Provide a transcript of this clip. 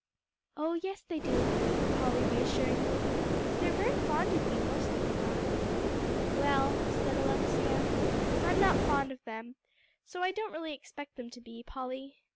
"Oh yes, they do," said Polly reassuringly, "they're very fond of you, most of them are." "Well," said Alexia, "I'm not fond of them, so I don't really expect them to be, Polly.